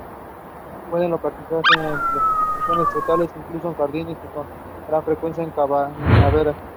Pueden localizarse en plantaciones frutales, incluso en jardines, y con gran frecuencia en cañaverales.